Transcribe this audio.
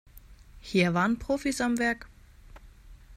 Hier waren Profis am Werk.